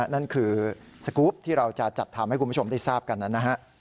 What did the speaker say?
นั่นคือสกรูปที่เราจะจัดทำให้คุณผู้ชมได้ทราบกันนั้นนะฮะ